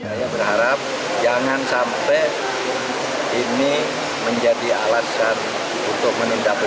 saya berharap jangan sampai ini menjadi alasan untuk menindak